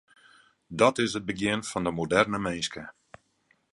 Dat is it begjin fan de moderne minske.